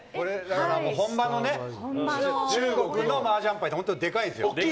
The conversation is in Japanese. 本場の中国のマージャン牌って本当にでかいんですよ。